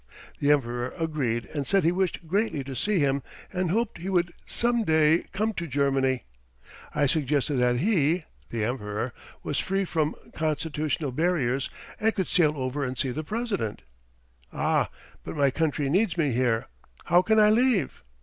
The Emperor agreed and said he wished greatly to see him and hoped he would some day come to Germany. I suggested that he (the Emperor) was free from constitutional barriers and could sail over and see the President. "Ah, but my country needs me here! How can I leave?"